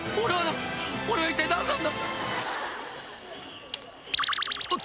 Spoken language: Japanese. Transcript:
これは何なんだ？］